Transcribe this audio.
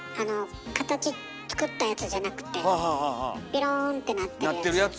形作ったやつじゃなくてピローンってなってるやつ。